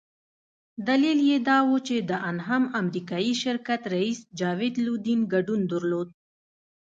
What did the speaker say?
دلیل یې دا وو چې د انهم امریکایي شرکت رییس جاوید لودین ګډون درلود.